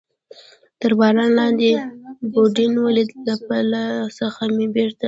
تر باران لاندې یوډین ولید، له پله څخه مې بېرته.